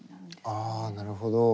ああなるほど。